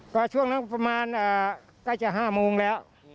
ก็ช่วงนั้นประมาณใกล้จะ๕โมงแล้ว